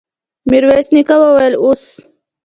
ميرويس نيکه وويل: اوس!